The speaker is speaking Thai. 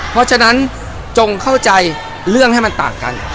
เพราะฉะนั้นจงเข้าใจเรื่องให้มันต่างกัน